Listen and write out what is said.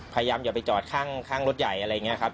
อย่าไปจอดข้างรถใหญ่อะไรอย่างนี้ครับ